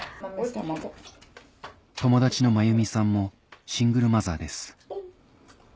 友達のまゆみさんもシングルマザーです